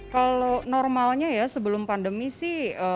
kalau normalnya ya sebelum pandemi sih